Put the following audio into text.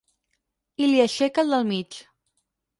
I li aixeca el del mig.